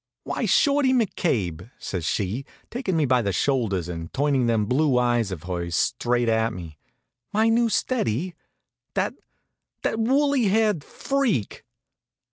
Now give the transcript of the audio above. "Why, Shorty McCabe!" says she, takin' me by the shoulders and turnin' them blue eyes of hers straight at me. "My new steady? That that woolly haired freak?"